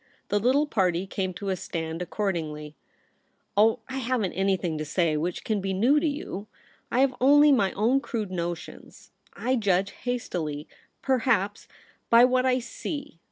The little party came to a stand accord ingly. ' Oh, I haven't anything to say which can be new to you. I have only my own crude notions. I judge hastily, perhaps, by what I see.